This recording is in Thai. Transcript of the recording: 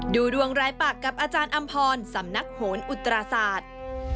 ดูดวงรายปากกับอาจารย์อำพรสำนักโหนอุตราศาสตร์